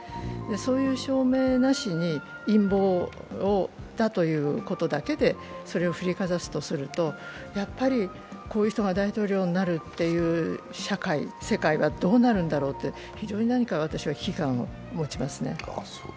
そういう証明なしに陰謀だということだけでそれを振りかざすとすると、やっぱりこういう人が大統領になるっていう社会、世界が、どうなるんだろうって私は危機感を持ちますね。